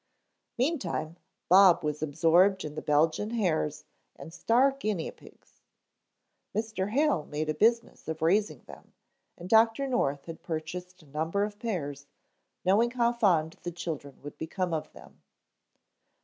Meantime Bob was absorbed in the Belgian hares and star guinea pigs. Mr. Hale made a business of raising them and Dr. North had purchased a number of pairs, knowing how fond the children would become of them.